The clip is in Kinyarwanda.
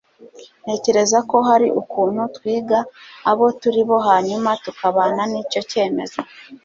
ntekereza ko hari ukuntu, twiga abo turi bo hanyuma tukabana n'icyo cyemezo